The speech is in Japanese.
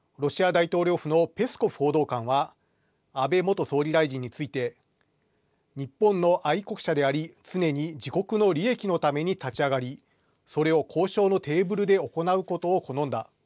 ロシア大統領府のペスコフ報道官は安倍元総理大臣について日本の愛国者であり常に自国の利益のために立ち上がりそれを、交渉のテーブルで行うことを好んだ。